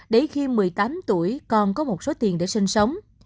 đấy khi một mươi tám tuổi còn có một số tiền để sinh sống